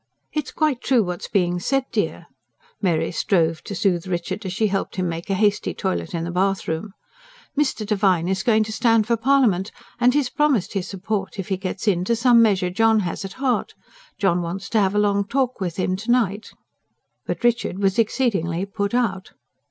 "It's quite true what's being said, dear," Mary strove to soothe Richard, as she helped him make a hasty toilet in the bathroom. "Mr. Devine is going to stand for Parliament; and he has promised his support, if he gets in, to some measure John has at heart. John wants to have a long talk with him to night." But Richard was exceedingly put out.